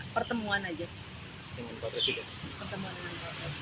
pertemuan dengan pak presiden